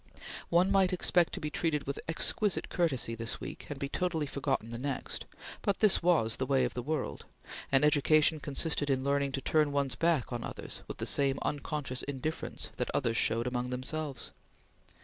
One must expect to be treated with exquisite courtesy this week and be totally forgotten the next, but this was the way of the world, and education consisted in learning to turn one's back on others with the same unconscious indifference that others showed among themselves.